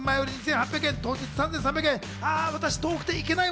前売り２８００円、当日３３００円。